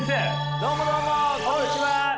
どうもどうもこんにちは！